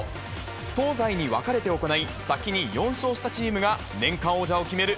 東西に分かれて行い、先に４勝したチームが年間王者を決める